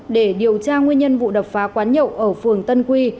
để điều tra nguyên nhân vụ đập phá quán nhậu ở phường tân quy